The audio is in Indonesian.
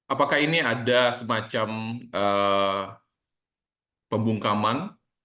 apakah ini ada semacam pembungkaman